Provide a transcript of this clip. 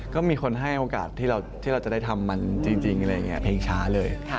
ก็มีคนให้โอกาสที่เราจะได้ทำมันจริงอะไรอย่างนี้เพลงช้าเลย